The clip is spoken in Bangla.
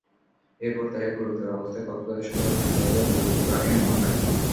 এরপর তাঁকে গুরুতর অবস্থায় কক্সবাজার সদর হাসপাতালের জরুরি বিভাগে নেওয়া হয়।